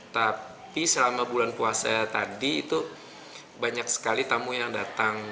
tapi selama bulan puasa tadi itu banyak sekali tamu yang datang